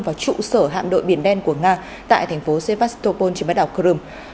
vào trụ sở hạm đội biển đen của nga tại thành phố sevastopol trên bãi đảo crimea